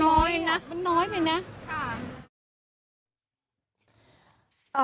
น้อยว่าหน่อยน่ะค่ะ